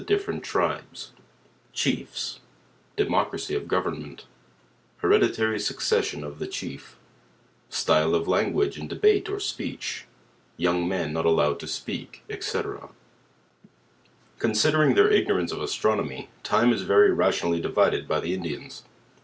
differ ent tribes Chief* Democracy of government Heredi* tary succession of the Chief style ff Language, in debate or Speech young men not allowed to speak, #c. Conpiilerin^ their ignorance of astronomy, time is very rationally divided by t!i3 Indians.